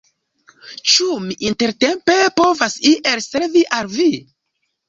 Ĉu mi intertempe povas iel servi al vi?